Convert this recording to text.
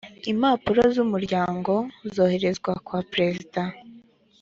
impapuro zumuryango zoherezwa kwa perezida